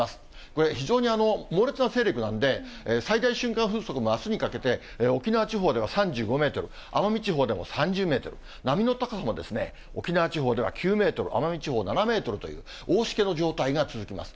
これ、非常に猛烈な勢力なんで、最大瞬間風速もあすにかけて、沖縄地方では３５メートル、奄美地方でも３０メートル、波の高さも沖縄地方では９メートル、奄美地方７メートルという、大しけの状態が続きます。